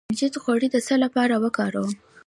د کنجد غوړي د څه لپاره وکاروم؟